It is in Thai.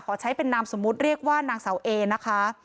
ใช้เป็นนามสมมุติเรียกว่านางเสาเอนะคะ